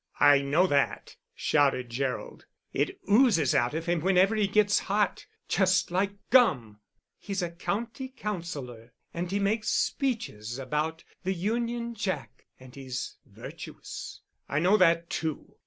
"I know that," shouted Gerald. "It oozes out of him whenever he gets hot, just like gum." "He's a County Councillor, and he makes speeches about the Union Jack, and he's virtuous." "I know that too.